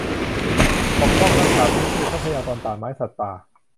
ปกป้อง รักษา ฟื้นฟูทรัพยากรป่าไม้ สัตว์ป่า